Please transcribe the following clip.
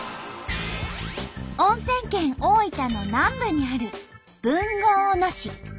温泉県大分の南部にある豊後大野市。